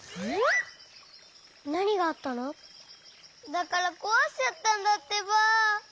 だからこわしちゃったんだってば。